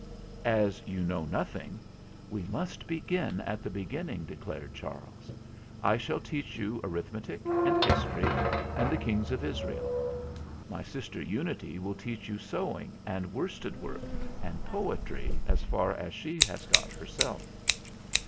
"As you know nothing, we must begin at the beginning," declared Charles. "I shall teach you arithmetic and history and the Kings of Israel. My sister Unity will teach you sew ing and worsted work and poetry as far as she has got herself."